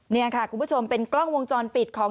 นี่ค่ะคุณผู้ชมเป็นกล้องวงจรปิดของ